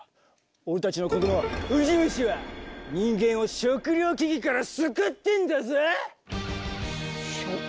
俺たちの子どもウジ虫は人間を食糧危機から救ってんだぜ！